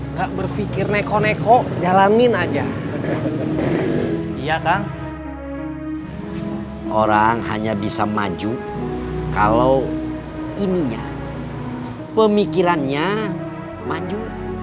enggak berpikir neko neko jalanin aja iya kan orang hanya bisa maju kalau ininya pemikirannya maju